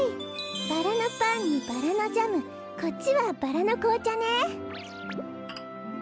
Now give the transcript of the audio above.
バラのパンにバラのジャムこっちはバラのこうちゃね。